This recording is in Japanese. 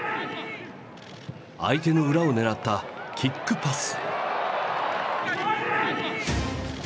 相手の裏を狙ったキックパス！